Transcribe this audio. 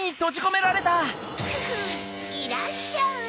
フフいらっしゃい！